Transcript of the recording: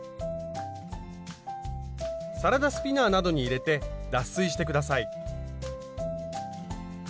サラダスピナーなどに入れて脱水して下さい。